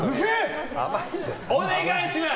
お願いします！